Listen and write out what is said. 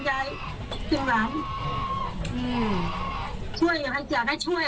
อยากให้ช่วย